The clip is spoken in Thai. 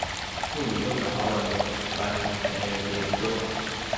ผู้อยู่เบื้องหลังความสำเร็จของวงการหุ่นยนต์ไทยในเวทีระดับโลก